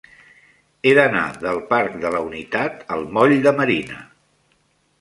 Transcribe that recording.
He d'anar del parc de la Unitat al moll de Marina.